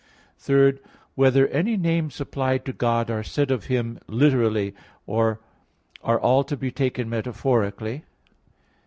(3) Whether any names applied to God are said of Him literally, or are all to be taken metaphorically?